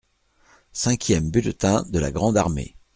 Cinquième bulletin de la grande armée.